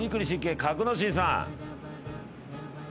格之進さん。